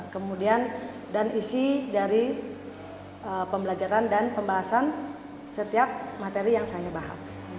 kemudian dan isi dari pembelajaran dan pembahasan setiap materi yang saya bahas